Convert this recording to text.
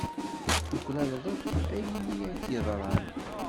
Tuklaleḍ akk ayen i ak-yeḍran.